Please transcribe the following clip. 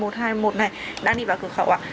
thì sẽ đến vào đây ạ